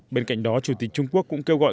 bên cạnh đó chủ tịch trung quốc cũng kêu gọi